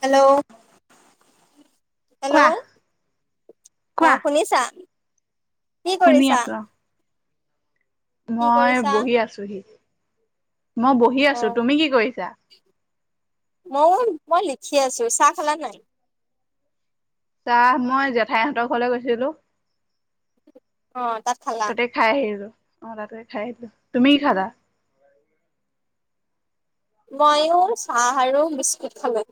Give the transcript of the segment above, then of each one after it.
Hello? কোৱা hello অ, কোৱা শুনিছা? কি শুনি কৰিছা? আছো অ কি মই কৰিছা বহি আছোহি, মই বহি অ আছো। তুমি কি কৰিছা? মইয়ও মই লিখি আছো। চাহ খালা নাই? চাহ মই জেঠাইহঁতৰ ঘৰলৈ গৈছিলো। অ, তাত খালা। তাতে খাই আহিলো অ, তাতে খাই আহিলো। তুমি কি খালা? মইয়ো চাহ আৰু বিস্কুট খালো।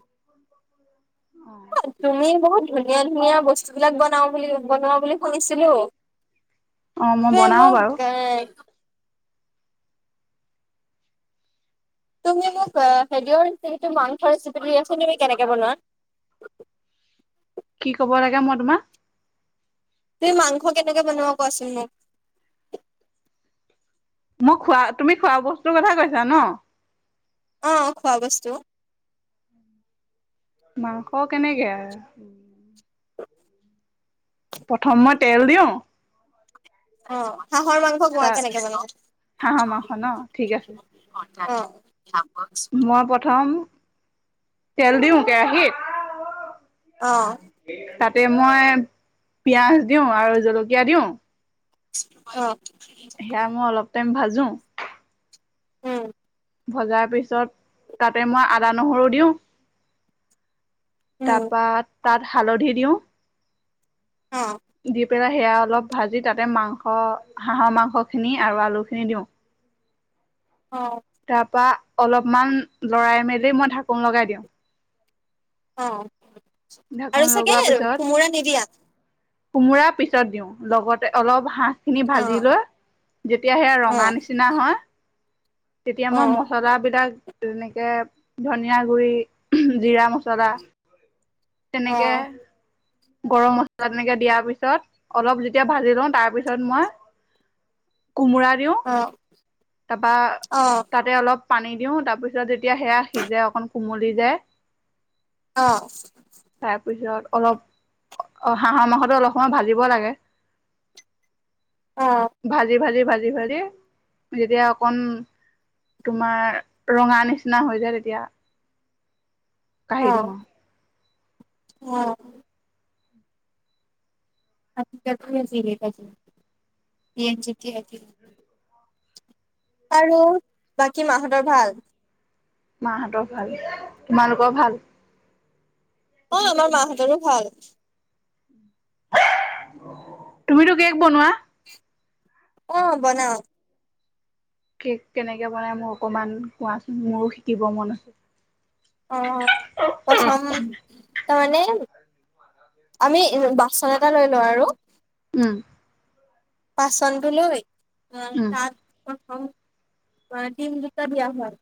তুমি বহুত ধুনীয়া, ধুনীয়া বস্তু বিলাক বনাও বুলি বনোৱা বুলি শুনিছিলো। অ মই বনাও বাৰু [unintelligible] তুমি মোক হেৰটো মাংস ৰেচিপিটো দিয়াছোন তুমি কেনেকে বনোৱা। কি ক'ব লাগে মই তোমাৰ তুমি মাংস কেনেকে বনাব কোৱাচোন মোক। মই খোৱা তুমি খোৱা বস্তুৰ কথা কৈছা ন। অ, খোৱা বস্তু। মাংস কেনেকে আৰু [inaudible] প্ৰথমত তেল দিওঁ অ', হাঁহৰ মাংস কোৱা তাৰ কেনেকৈ বনাওঁ? হাঁহৰ মাংস ন ঠিক আছে অ'। মই প্ৰথম তেল দিওঁ কেৰাহীত অ'। তাতে মই পিয়াজ দিওঁ আৰু জলকীয়া দিওঁ। অ'। সেয়া মই অলপ টাইম ভাজোঁ উম। ভজাৰ পিছত তাতে মই আদা-নহৰু দিওঁ। উম তাৰপা, তাত হালধি দিওঁ, অ দি পেলাই, সেয়া অলপ ভাজি তাতে মাংস, হাঁহৰ মাংসখিনি আৰু আলুখিনি দিওঁ। অ'। তাৰ পৰা অলপমান লৰাই-মেলি মই ঢাকোন লগাই দিওঁ। অ', ঢাকোন আৰু লগোৱাৰ চাগে, পিছত কোমোৰা নিদিয়া? কোমোৰা পিছত দিওঁ, লগতে অলপ হাঁহ খিনি অ ভাজি লৈ, যেতিয়া সেয়া অ ৰঙা নিচিনা হয় তেতিয়া অ মই মছলাবিলাক যেনেকে ধনিয়া গুৰি, জিৰা মছলা অ তেনেকে গৰম মছলা তেনেকৈ দিয়াৰ পিছত অলপ যেতিয়া ভাজি লওঁ, তাৰপিছত মই [inaudible] কোমোৰা দিওঁ, অ অ তাৰপা তাতে অলপ পানী দিওঁ। তাৰপিছত যেতিয়া সেয়া সিজে, অকণ কোমলি যায় অ'। তাৰপিছত অলপ, অ', হাঁহৰ মাংসটো অলপ সময় ভাজিব লাগে। ভাজি, ভাজি, ভাজি, ভাজি যেতিয়া অকণ তোমাৰ ৰঙা নিচিনা হৈ যায়, তেতিয়া কাঢ়ি দিওঁ আৰু উম। [inaudible] আৰু বাকী মাহঁতৰ ভাল? মাহঁতৰ ভাল, তোমালোকৰ ভাল? অ', আমাৰ মাহঁতৰো ভাল। তুমিতো কেক বনোৱা। অ', বনাওঁ। কেক কেনেকৈ বনাই? মোক অকণমান কোৱাচোন, মোৰো শিকিব মন আছে। অ', প্ৰথম ত', মানে, আমি বাচন এটা লৈ লওঁ আৰু উম। বাচনটো লৈ, উম, তাত প্ৰথম দিম দুটা দিয়া হয়।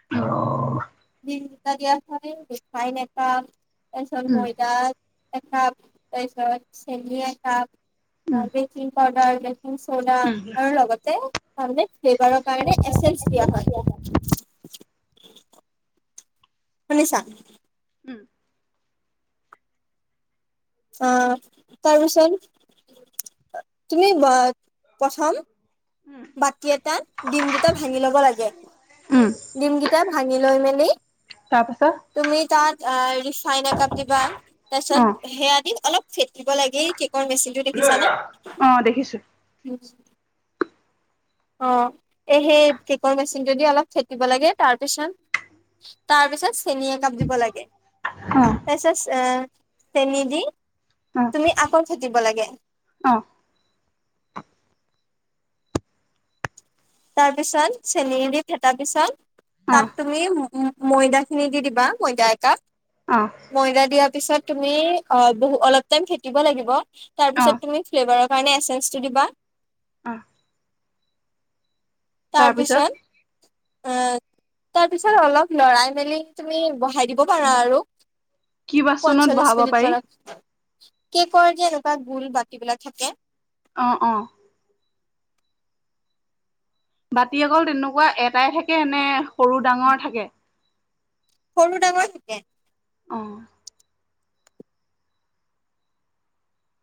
[inaudible] দিম দুটা দিয়া, চিফালে ৰিফাইন একাপ, তাৰপিছত উম ময়দা একাপ, তাৰপিছত চেনী একাপ, um baking powder, baking soda um আৰু লগতে, তাৰমানে ফ্লেভাৰৰ কাৰণে এছেন্স দিয়া হয়। শুনিছা? উম। অ', তাৰপিছত তুমি বা, প্ৰথম বাটি এটাত ডিম দুটা ভাঙি ল'ব লাগে। উম, ডিমগিটা ভাঙি লৈ মেলি তাৰপাছত তুমি তাত আ ৰিফাইন একাপ দিবা অ', তাৰপিছত সেয়া দি অলপ ফেটিব লাগে এই কেকৰ মেচিনটো দেখিছানে? অ', দেখিছো অ, এ, সেই কেকৰ মেচিনটো দি অলপ ফেটিব লাগে তাৰ পিছত তাৰ পিছত চেনী একাপ দিব লাগে। অ', তাৰপিছত আহ চেনী দি অ', তুমি আওকণ ফেটিব লাগে। অ', তাৰ পিছত চেনীৰে দি ফেটাৰ পিছত অ', তাত তুম তুমি ময়দাখিনি দি দিবা ময়দা একাপ। অ'। ময়দা দিয়াৰ পিছত তুমি অ, বহু অলপ টাইম ফেটিব লাগিব তাৰ অ', পিছত তুমি ফ্লেভাৰৰ কাৰণে এচেন্ঞ্চটো দিবা। আহ। তাৰ পিছত তাৰপিছত অলপ লৰাই মেলি তুমি বহাই দিব পাৰা আৰু। কি বাচনত পঞ্চল্লিশ বহাব মিনিট পাৰি মানত কেকৰ যে এনেকুৱা গোল বাতিবিলাক থাকে। অ', অ'। বাতি অকল তেনেকুৱা এটাই থাকে নে সৰু, ডাঙৰ থাকে। সৰু, ডাঙৰ থাকে। অ'।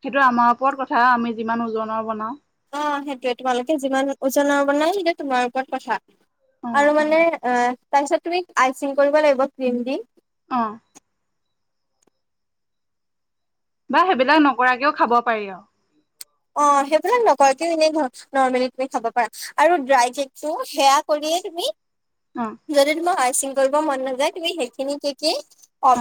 সেইটো আমাৰ ওপৰত কথা আমি যিমান ওজনৰ বনাও অ, সেইটোয়ে তোমালোকে যিমান ওজনৰ বনাই সেইয়া তোমাৰ ওপৰত কথা। অ', আৰু অ', মানে তাৰপিছত তুমি আইচিং কৰিব লাগিব ক্ৰীম দি। অ'। বা সেইবিলাক নকৰাকেও খাব পাৰি আৰু। অ, সেইবিলাক নক ক, এনেই নৰ্মেলি তুমি খাব পাৰা আৰু ড্ৰাই জেকটো সেয়া কৰিয়ে তুমি অ'। যদি তোমাৰ আইচিং কৰিব মন নাযায় তুমি সেইখিনি কে কি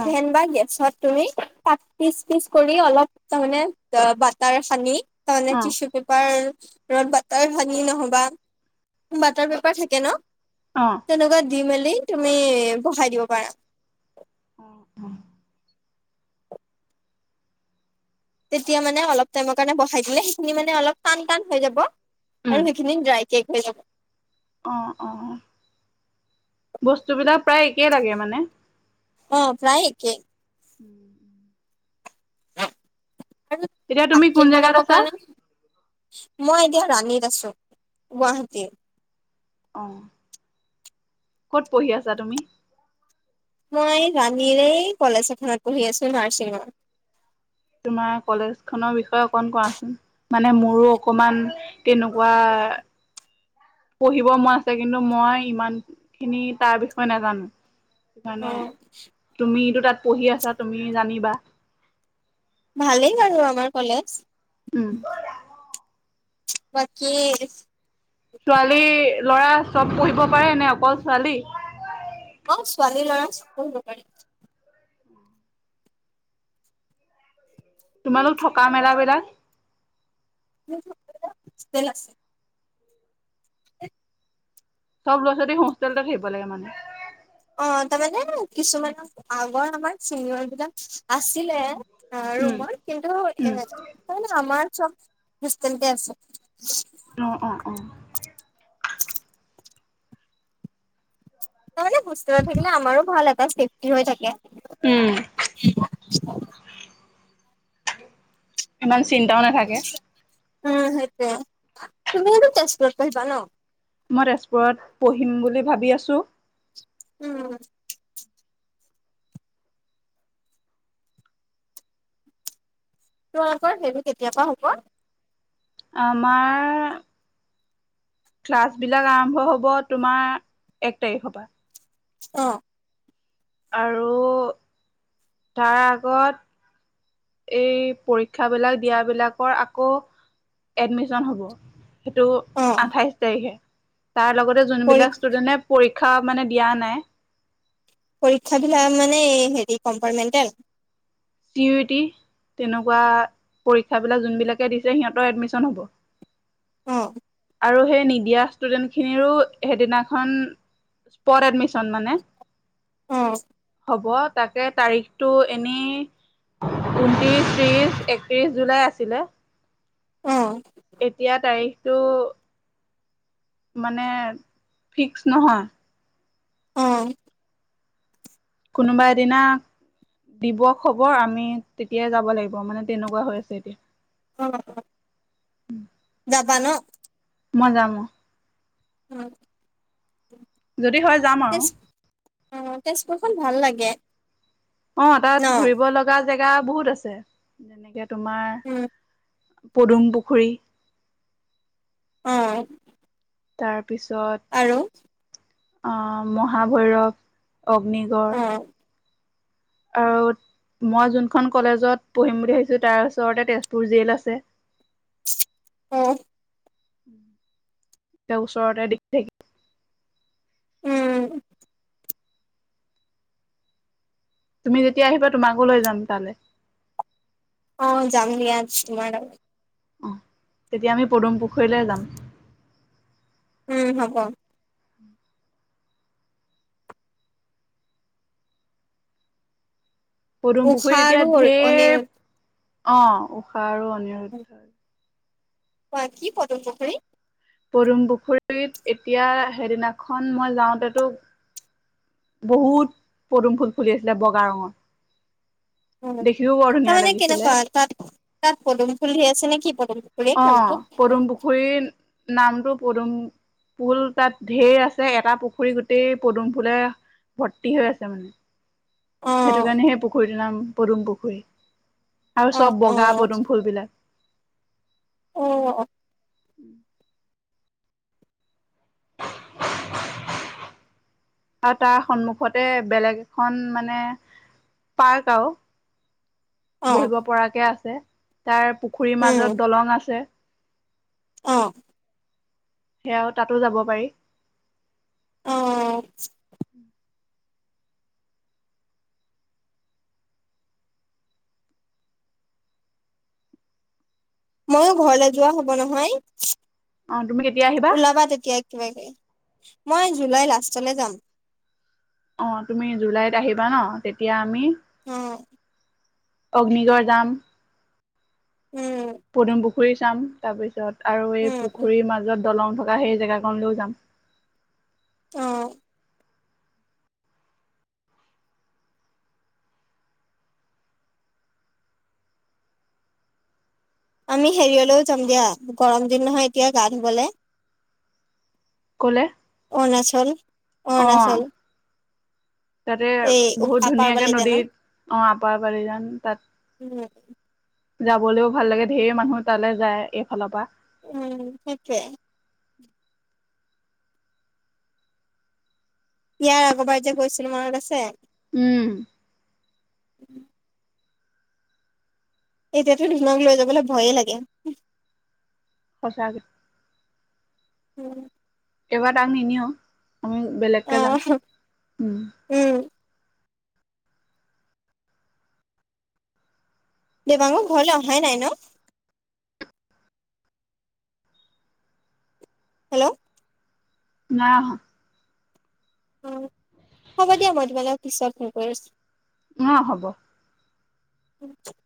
অ', বা গেছত তুমি তাত পিচ, পিচ কৰি অলপ তাৰমানে বাটাৰ সানি তাৰমানে অ', কিচু পেপাৰ ৰদ বাটাৰ ভানি নহবা বাটাৰ পেপাৰ থাকে ন। অ'। তেনেকুৱা দি মেলি তুমি বহাই দিব পাৰা। অ', অ'। তেতিয়া মানে অলপ টাইমৰ কাৰণে বহাই দিলে সেইখিনি মানে অলপ টান, টান হৈ যাব উম, আৰু সেইখিনি ড্ৰাই কেক হৈ যাব। অ', অ', বস্তু বিলাক প্ৰায় একেই লাগে মানে। অ, প্ৰায়কে। উম, উম। আৰু এতিয়া তুমি কাত কোন কেক জেগাত বনাব আছা? কাৰণে মই এতিয়া ৰাণীত আছো গুৱাহাটীৰ। অ'। ক'ত পঢ়ি আছা তুমি? মই ৰাণীৰে কলেজ এখনত পঢ়ি আছো নাৰ্ছিঙৰ। তোমাৰ কলেজ খনৰ বিষয়ে অকন কোৱাচোন? মানে মোৰো অকমান তেনেকুৱা পঢ়িব মন আছে কিন্তু মই ইমান খিনি তাৰ বিষয়ে নাজানো। অ সেইকাৰণে তুমিতো তাত পঢ়ি আছা তুমি জানিবা। ভালেই বাৰু আমাৰ কলেজ। উম, বাকী ছোৱালী ল'ৰা চব পঢ়িব পাৰেনে অকল ছোৱালী! অ', ছোৱালী ল'ৰা সব পঢ়িব পাৰি। তোমালোক থকা মেলা বিলাক? হোষ্টেল আছে। চব ল'ৰা ছোৱালী হোষ্টেলত থাকিব লাগে মানে। অ', তাৰমানে কিছুমানৰ আগৰ আমাৰ চিনিয়ৰবিলাক আছিলে। অ', উম, ৰুমত কিন্তু উম, এ, [unintelligible] আমাৰ চব হোষ্টেলতে আছে। অ', অ', অ'। তাৰমানে হোষ্টেলত থাকিলে আমাৰো ভাল এটা চেফটি হৈ উম, থাকে। [inaudible] ইমান চিন্তাও না উম, সেইটোয়ে তুমিও টো তেজপুৰত পঢ়িবা ন! মই তেজপুৰত পঢ়িম বুলি ভাবি আছোঁ। উম। কিন্তু আকৌ সেইটো কেতিয়াবা হ'ব? আমাৰ ক্লাছবিলাক আৰম্ভ হ'ব তোমাৰ এক তাৰিখ পা। অ'। আৰু তাৰ আগত এই পৰীক্ষাবলাক দিয়াবিলাকৰ আকৌ এডমিশন হ'ব, সেইটো অ', আঠাইশ তাৰিখে। তাৰ লগতে যোনবিলাক ষ্টুডেণ্টে পৰীক্ষা মানে দিয়া নাই পৰীক্ষবিলাক মানে হেৰি কম্পাৰ্টমেণ্টেল? টিউটি। তেনেকুৱা পৰীক্ষাবিলাক যোনবিলাকে দিছে সিহঁতৰ এডমিশ্যন হ'ব। অ'। আৰু সেই নিদিয়া ষ্টুডেন্টখিনিৰো সেইদিনাখন স্পট এডমিশ্যন মানে অ'। হ'ব তাতে তাৰিখটো এনেই ঊনত্ৰিশ, ত্ৰিশ, একত্ৰিশ জুলাই আছিলে। অ'। এতিয়া তাৰিখটো মানে ফিক্স নহয়। অ'। কোনোবা এদিনা দিব খবৰ আমি তেতিয়াই যাব লাগিব মানে, তেনেকুৱা হৈ আছে এতিয়া। অ', অ'। [inaudible] যাবা ন? মই যাম অ'। [inaudible] যদি হয়, যাম আৰু। তেজ অ', তেজপুৰখন ভাল লাগে। অ', তাত ন? ঘূৰিব লগা জেগা বহুত আছে, যেনেকে তোমাৰ উম, পদুম পুখুৰী। অ'। তাৰপিছত আৰু আহ, মহাভৈৰৱ, অগ্নিগড়। অ', আ [unintelligible] মই যোনখন কলেজত পঢ়িম বুলি ভাবিছো তাৰ ওচৰতে তেজপুৰ জেল আছে। অ'। এতিয়া ওচৰতে দিখি [unintelligible] থাকি উম। তুমি যেতিয়া আহিবা তোমাকো লৈ যাম তালৈ। অ', যাম দিয়া আছু [unintelligible] ম তেতিয়া আমি পদুম পুখুৰীলৈ যাম। উম, হ'ব। পদুম উষা পুখুৰীত এতিয়া আৰু অনি ঢেৰ, অ', ঊষা আৰু অনিৰুদ্ধ অ [unintelligible] কি পদুম পুখুৰী পদুম পুখুৰীত এতিয়া সেইদিনাখন মই যাওঁতেতো বহুত পদুম ফুল ফুলি আছিলে বগা ৰঙৰ। দেখিও বৰ ধুনীয়া তাৰমানে লাগিছিলে। কেনেকুৱা তাত তাত পদুম ফুল ঢেৰ আছে নে কি পদুম ফুলেই অ', নামটো পদুম পুখুৰীৰ নামটো পদুম ফুল তাত ঢেৰ আছে এটা পুখুৰী গোটেই পদুম ফুলে ভৰ্তি হৈ আছে মানে। অ সেইটো কাৰণেহে পুখুৰীটোৰ নাম পদুম পুখুৰী আৰু অ চব অ বগা পদুম ফুলবিলাক অ', অ'। [inaudible] [inaudible] আৰু তাৰ সন্মুখতে বেলেগ এখন মানে পাৰ্ক আৰু। অ বহিব পৰাকে আছে। তাৰ পুখুৰীৰ উম মাজত দলং আছে। অ'। সেয়াও তাতো যাব পাৰি। অ', অ'। ময়ো ঘৰলে যোৱা হ'ব নহয় অ', তুমি কেতিয়া আহিবা? ওলাবা তেতিয়া কিবাকে মই জুলাই লাষ্টলে যাম। অ', তুমি জুলাইত আহিবা ন' তেতিয়া আমি উম। অগ্নিগড় যাম। উম। পদুম পুখুৰী চাম, তাৰপিছত আৰু এই উম উম পুখুৰীৰ মাজত দলং থকা সেই জেগাাকনলৈও যাম। অ'। আমি হেৰিয়লৈও যাম দিয়া গৰম দিন নহয় এতিয়া গা ধুবলে ক'লে? অৰুণাচল অ অৰুণাচল। তাতে এই বহুত আপাৰ ধুনীয়াকে বালি জানো নদীত আহ আপাৰ বালিজান তাত উম যাবলৈও ভাল লাগে, ঢেৰ মানুহ তালৈ যায় এইফালৰ পৰা উম, সেইটোৱে। ইয়াৰ আগৰবাৰ যে গৈছিলো মনত আছে। উম। [inaudible] এতিয়াতো ধুনক লৈ যাবলৈ ভয়ে লাগে। সঁচাকে [unintelligible] এইবাৰ তাক নিনিওঁ, আমি বেলেগকে যাম। অহ উম'। দেৱাঙৰ ঘৰলৈ অহাই নাই ন হেল্ল'? [unintelligible] অ, হ'ব দিয়া মই তোমাল পিছত ফোন কৰিছো। [unintelligible] হ'ব। [unintelligible]